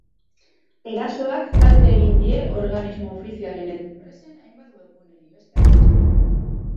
Erasoak kalte egin die organismo ofizialen eta enpresen hainbat webguneri, bestek beste.